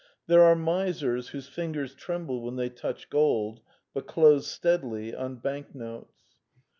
There are misers whose fingers tremble when they touch gold, but close steadily on banknotes.